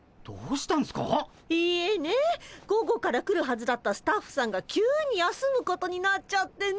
いえね午後から来るはずだったスタッフさんが急に休むことになっちゃってね。